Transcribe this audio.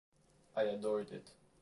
I adored it.